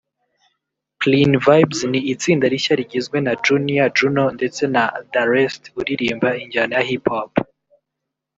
Clyn Vybz ni itsinda rishya rigizwe na Junior Juno ndetse na Da Rest uririmba injyana ya Hip Hop